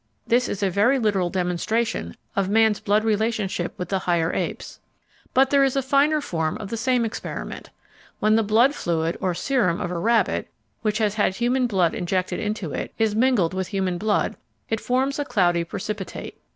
This is a very literal demonstration of man's blood relationship with the higher apes. But there is a finer form of the same experiment. When the blood fluid (or serum) of a rabbit, which has had human blood injected into it, is mingled with human blood, it forms a cloudy precipitate.